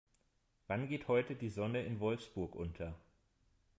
Wann geht heute die Sonne in Wolfsburg unter?